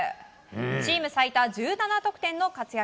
チーム最多１７得点の活躍。